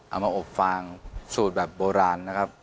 เอามาอบฟางสูตรแบบโบราณนะครับ